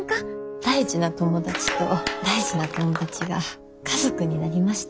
大事な友達と大事な友達が家族になりました。